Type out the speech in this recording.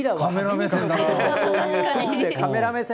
カメラ目線。